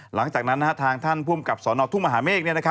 หลังจากนั้นทางท่านภูมิกับสนทุ่งมหาเมฆ